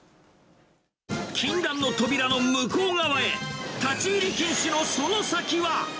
禁断の扉の向こう側へ、立ち入り禁止のその先は。